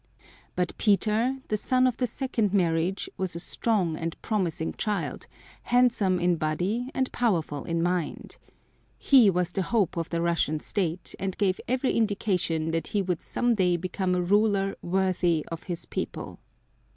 But Peter, the son of the second marriage, was a strong and promising child, handsome in body and powerful in mind. He was the hope of the Russian State, and gave every indication that he would some day become a ruler worthy of his people.